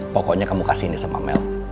pokoknya kamu kasih ini sama mel